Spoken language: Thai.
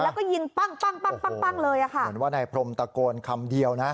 แล้วก็ยิงปั้งปั้งปั้งปั้งเลยอ่ะค่ะเหมือนว่านายพรมตะโกนคำเดียวนะ